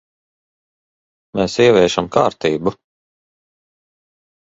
Mēs ieviešam kārtību.